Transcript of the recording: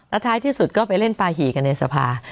ท้ายที่สุดก็ไปเล่นปาหี่กันในสภา